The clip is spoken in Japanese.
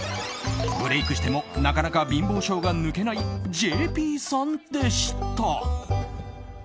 ブレークしてもなかなか貧乏性が抜けないＪＰさんでした。